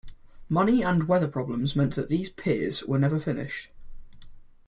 Money and weather problems meant that these piers were never finished.